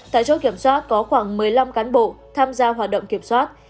tại chốt kiểm soát có khoảng một mươi năm cán bộ tham gia hoạt động kiểm soát